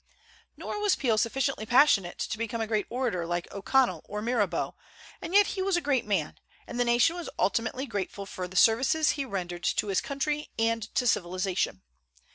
Nor was Peel sufficiently passionate to become a great orator like O'Connell or Mirabeau; and yet he was a great man, and the nation was ultimately grateful for the services he rendered to his country and to civilization.